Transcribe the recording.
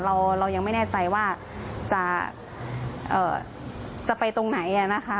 เรายังไม่แน่ใจว่าจะไปตรงไหนนะคะ